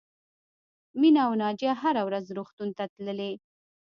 مینه او ناجیه هره ورځ روغتون ته تللې